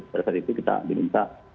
pada saat itu kita diminta